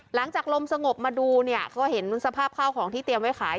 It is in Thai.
หลังจากลมสงบมาดูเนี่ยก็เห็นสภาพข้าวของที่เตรียมไว้ขาย